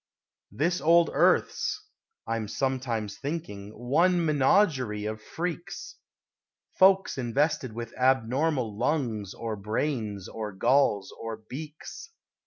This old earth's (I'm sometimes thinking) One menagerie of freaks Folks invested with abnormal Lungs or brains or galls or beaks.